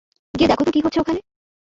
গিয়ে দেখ তো কী হচ্ছে ওখানে।